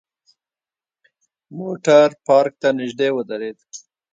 موټر پارک ته نژدې ودرید.